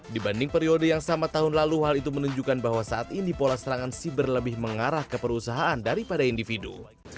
dibanding periode yang sama tahun lalu hal itu menunjukkan bahwa saat ini pola serangan siber lebih mengarah ke perusahaan daripada individu